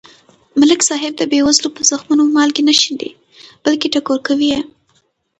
ملک صاحب د بې وزلو په زخمونو مالګې نه شیندي. بلکې ټکور کوي یې.